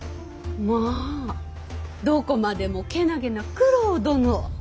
まあどこまでもけなげな九郎殿。